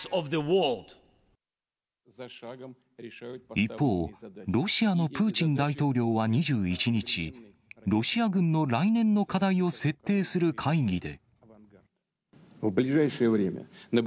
一方、ロシアのプーチン大統領は２１日、ロシア軍の来年の課題を設定する会議で。